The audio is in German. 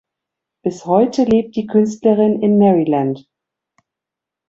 Bis heute lebt die Künstlerin in Maryland.